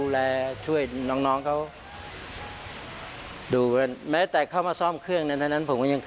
แต่ได้ถ้าได้ซึ่งปัสเท้าของไฟฟ้า